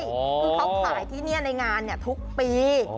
คือเขาขายที่นี่ในงานทุกปี